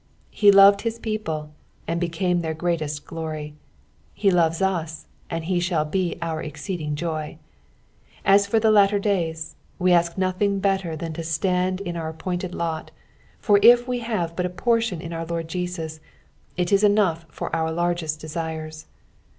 He loved his people and became their greatest glory ; he loves us, and he shall be our exceeding joy. As for the latter days, we ask nothing better than to stand in our appointed lot, for if we have but a portion in our Lord Jesus, it is enough for our largest desires.